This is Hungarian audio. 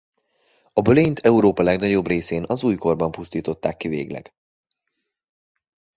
A bölényt Európa legnagyobb részén az újkorban pusztították ki végleg.